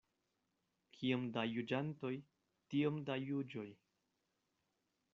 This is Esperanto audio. Kiom da juĝantoj, tiom da juĝoj.